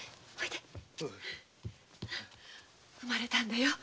生まれたんだよ！